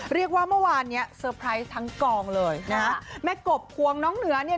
เมื่อวานเนี้ยเซอร์ไพรส์ทั้งกองเลยนะฮะแม่กบควงน้องเหนือเนี่ย